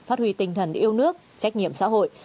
phát huy tinh thần yêu nước trách nhiệm xã hội